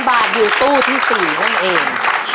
๑๐๐๐บาทอยู่ตู้ที่๔ของเอง